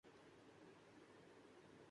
ہماری کپکپی کا علاج کہیں سے ہو سکتا ہے؟